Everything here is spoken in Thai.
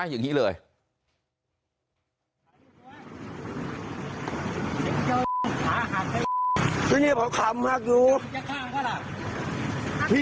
กล้วนอย่างไรผมทำอะไรพี่